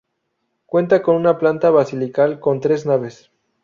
Cuenta con una planta basilical con tres naves.